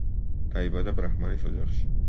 დაიბადა ბრაჰმანის ოჯახში.